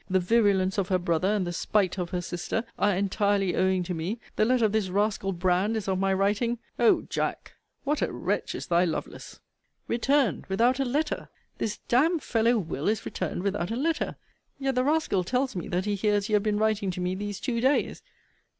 The virulence of her brother, and the spite of her sister, are entirely owing to me. The letter of this rascal Brand is of my writing O Jack, what a wretch is thy Lovelace! Returned without a letter! This d d fellow Will. is returned without a letter! Yet the rascal tells me that he hears you have been writing to me these two days!